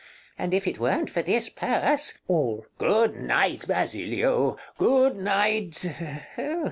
And if it weren't for this purse All Good night, Basilio, good night.